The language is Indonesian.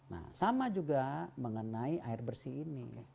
nah sama juga mengenai air bersih ini